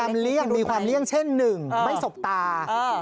มีความเลี่ยงเช่น๑ไม่สกตา